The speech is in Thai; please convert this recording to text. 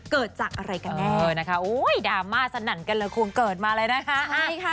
เกิดจากอะไรกันแน่นะคะโอ้ยดราม่าสนั่นกันเลยคงเกิดมาเลยนะคะใช่ค่ะ